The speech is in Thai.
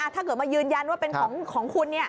ถ้าเกิดมายืนยันว่าเป็นของคุณ